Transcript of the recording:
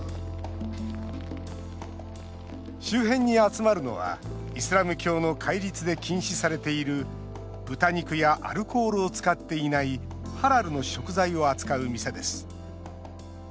周辺に集まるのは、イスラム教の戒律で禁止されている豚肉やアルコールを使っていないハラルの食材を扱う店です